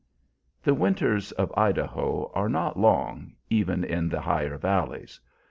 The winters of Idaho are not long, even in the higher valleys.